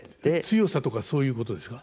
強さとかそういうことですか？